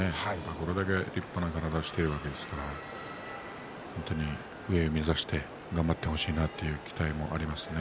これだけ立派な体をしていますから本当に上を目指して頑張ってほしいなという期待もありますね。